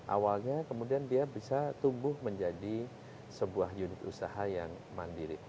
awalnya kemudian dia bisa tumbuh menjadi sebuah unit usaha yang mandiri